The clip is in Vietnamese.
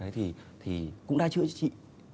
thì cũng đã chữa trị